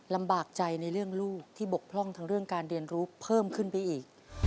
ลำบากใจในเรื่องลูกที่บกพร่องทางเรื่องการเรียนรู้เพิ่มขึ้นไปอีก